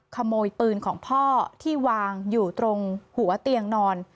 ขโมยปืนของพ่อที่วางอยู่ตรงหัวเตียงนอน